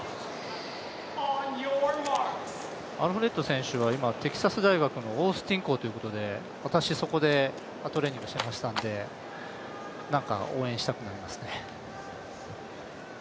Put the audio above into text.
アルフレッド選手は、今テキサス大学のオースティン校というところで私、そこでトレーニングしてましたんでなんか応援したくなりますね。